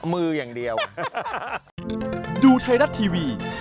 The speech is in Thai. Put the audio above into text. มืออย่างเดียว